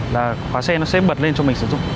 là khóa xe nó sẽ bật lên cho mình sử dụng